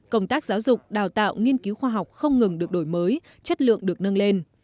công tác giáo dục đào tạo nghiên cứu khoa học không ngừng được đổi mới chất lượng được nâng lên